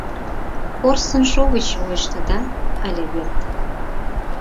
Порсын шовыч вуйыштыдат ыле вет